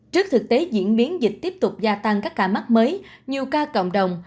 trước thực tế diễn biến dịch tiếp tục gia tăng các ca mắc mới nhiều ca cộng đồng